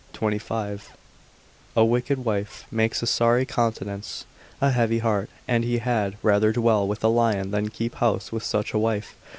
25, a wicked wife makes a sorry countenance, a heavy heart, and he had rather dwell with a lion than keep house with such a wife.